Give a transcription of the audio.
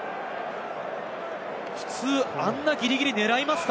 普通あんなギリギリ狙いますか？